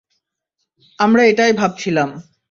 আমরা এটাই ভাবছিলাম।